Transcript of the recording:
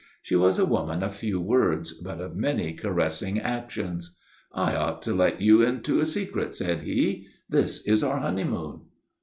She was a woman of few words but of many caressing actions. "I ought to let you into a secret," said he. "This is our honeymoon."